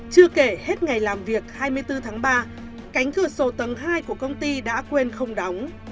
chưa kể hết ngày làm việc hai mươi bốn tháng ba cánh cửa sổ tầng hai của công ty đã quên không đóng